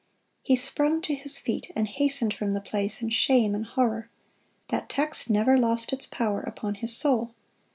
(165) He sprung to his feet, and hastened from the place in shame and horror. That text never lost its power upon his soul.